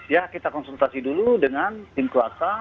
ya kita konsultasi dulu dengan tim kuasa